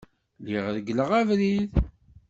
Lliɣ reggleɣ abrid.